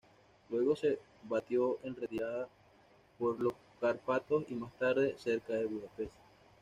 Luego se batió en retirada por los Cárpatos y más tarde, cerca de Budapest.